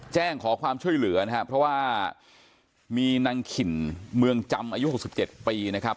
แจ้งขอความช่วยเหลือนะครับเพราะว่ามีนางขิ่นเมืองจำอายุ๖๗ปีนะครับ